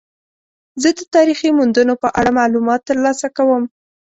زه د تاریخي موندنو په اړه معلومات ترلاسه کوم.